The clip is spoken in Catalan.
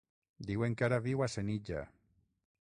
Diuen que ara viu a Senija.